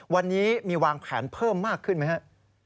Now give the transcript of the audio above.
วันนี้มีวางแผนเพิ่มมากขึ้นไหมครับ